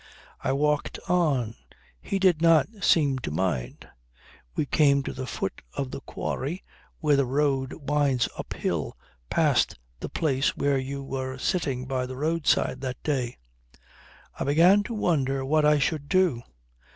"I walked on. He did not seem to mind. We came to the foot of the quarry where the road winds up hill, past the place where you were sitting by the roadside that day. I began to wonder what I should do.